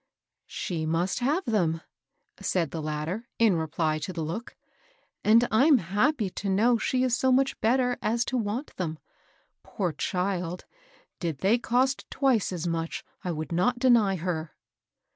" She must have them," said the latter, in reply to the look ;" and I'm happy to know she is so much better as to want them. Poor child I did they cost twice as much, I would not deny her.'